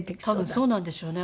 多分そうなんでしょうね。